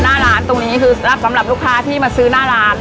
หน้าร้านตรงนี้คือสำหรับลูกค้าที่มาซื้อหน้าร้าน